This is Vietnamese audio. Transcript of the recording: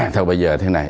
thôi bây giờ thế này